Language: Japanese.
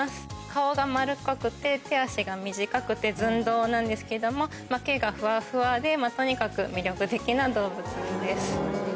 顔が丸っこくて、手足が短くて寸胴なんですけども、毛がふわふわで、とにかく魅力的な動物です。